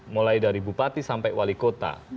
mulai dari bupati sampai wali kota